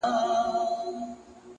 هغه نجلۍ سندره نه غواړي ـ سندري غواړي ـ